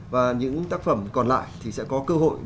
và những tác phẩm còn lại thì sẽ có cơ hội